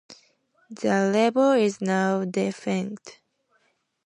The label is now defunct.